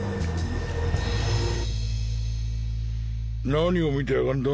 何を見てやがんだ？